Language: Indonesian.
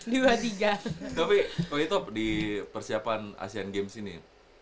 tapi witewapel di persiapan asian games ini